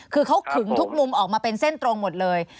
คือเขาขึงทุกมุมออกมาเป็นเส้นตรงหมดเลย